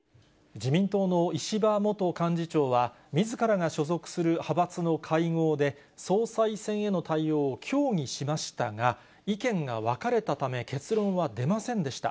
自民党の石破元幹事長は、みずからが所属する派閥の会合で、総裁選への対応を協議しましたが、意見が分かれたため、結論は出ませんでした。